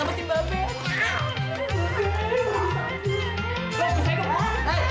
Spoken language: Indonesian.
mulai bakal indah